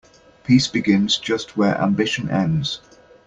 Peace begins just where ambition ends.